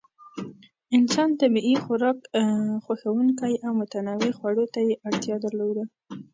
انسان طبیعي خوراک خوښونکی و او متنوع خوړو ته یې اړتیا درلوده.